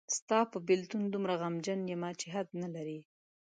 ستاپه بیلتون دومره غمجن یمه چی حد نلری.